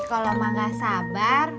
kalau emak gak sabar